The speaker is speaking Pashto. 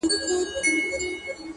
چي مي نظم ته هر توری ژوبل راسي!!